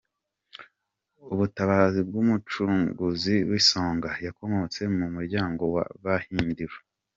Umutabazi w’Umucunguzi w’Isonga: Yakomotse mu muryango w’Abahindiro.